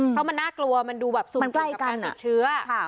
เพราะมันน่ากลัวมันดูแบบศูนย์ใกล้การติดเชื้อ